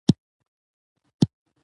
هغه وویل چې اور بل کړه.